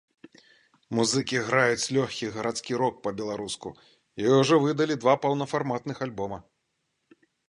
Музыкі граюць лёгкі гарадскі рок па-беларуску і ўжо выдалі два паўнафарматных альбома.